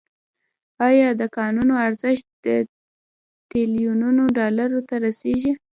آیا د کانونو ارزښت تریلیونونو ډالرو ته رسیږي؟